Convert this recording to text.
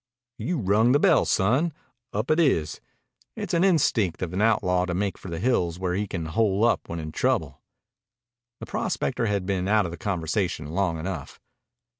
"You've rung the bell, son. Up it is. It's an instinct of an outlaw to make for the hills where he can hole up when in trouble." The prospector had been out of the conversation long enough.